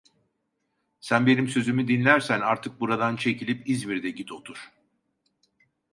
Sen benim sözümü dinlersen artık buradan çekilip İzmir'de git otur.